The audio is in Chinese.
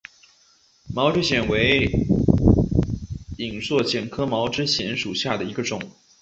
毛枝藓为隐蒴藓科毛枝藓属下的一个种。